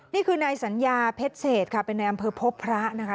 นี่คือนายสัญญาเพชรเศษค่ะเป็นในอำเภอพบพระนะคะ